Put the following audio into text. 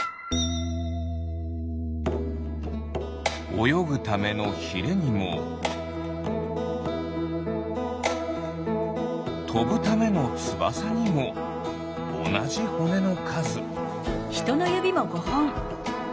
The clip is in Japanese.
およぐためのヒレにもとぶためのつばさにもおなじほねのかず。